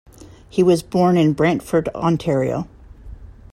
He was born in Brantford, Ontario.